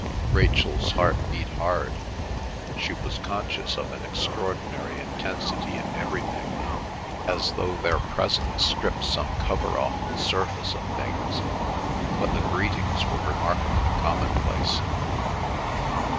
Rachel's heart beat hard. She was conscious of an extraordinary intensity in everything, as though their presence stripped some cover off the surface of things; but the greetings were remarkably commonplace.